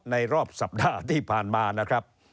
รอบสัปดาห์ที่ผ่านมานะครับ